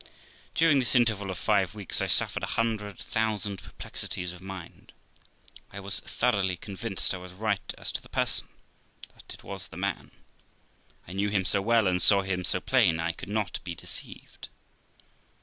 During this interval of five weeks I suffered a hundred thousand per plexities of mind. I was thoroughly convinced I was right as to the person, that it was the man. I knew him so well, and saw him so plain, I could not be deceived.